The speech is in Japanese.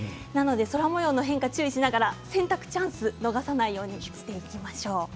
空もようの予報に注意しながら洗濯のチャンスを逃さないようにしておきましょう。